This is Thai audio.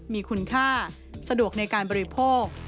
มีคุณค่าสะดวกในการบริโภค